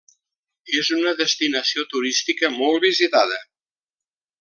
És una destinació turística molt visitada.